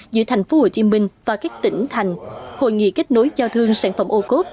giữa thành phố hồ chí minh và các tỉnh thành hội nghị kết nối giao thương sản phẩm ô cốt